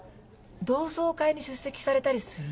同窓会に出席されたりする？